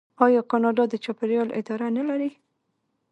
آیا کاناډا د چاپیریال اداره نلري؟